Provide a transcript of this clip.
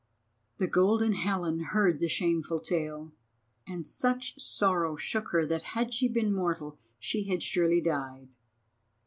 The Golden Helen heard the shameful tale, and such sorrow took her that had she been mortal she had surely died.